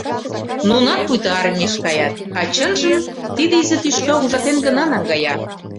Нунат пуйто армийыш каят, а, чынжым, тиде изи тӱшка ужатен гына наҥгая.